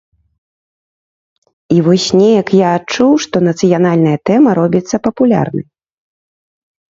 І вось неяк я адчуў, што нацыянальная тэма робіцца папулярнай.